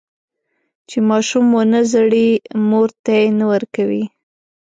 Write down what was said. چې ماشوم ونه زړي، مور تی نه ورکوي.